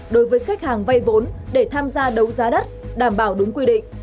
đối với khách hàng vay vốn để tham gia đấu giá đất đảm bảo đúng quy định